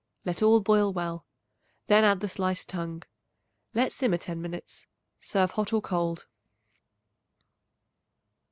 Let all boil well; then add the sliced tongue. Let simmer ten minutes. Serve hot or cold.